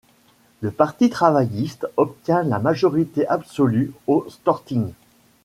Le Parti travailliste obtient la majorité absolue au Storting.